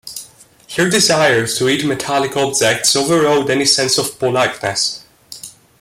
Her desire to eat metallic objects over-rode any sense of politeness.